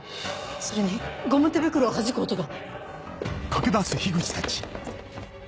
それにゴム手袋をはじく音が。